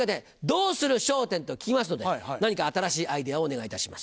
「どうする笑点」と聞きますので何か新しいアイデアをお願いいたします。